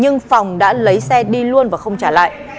nhưng phòng đã lấy xe đi luôn và không trả lại